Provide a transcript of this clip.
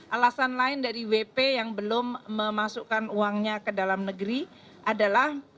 alasan lain dari wp yang belum memasukkan uangnya ke dalam negeri adalah